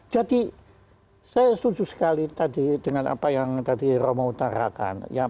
jadi saya setuju sekali tadi dengan apa yang tadi romo utarakan